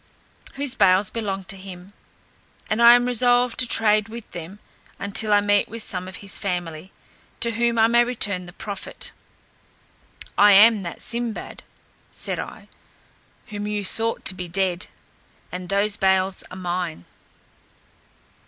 Those bales belonged to him, and I am resolved to trade with them until I meet with some of his family, to whom I may return the profit. "I am that Sinbad," said I, "whom you thought to be dead, and those bales are mine."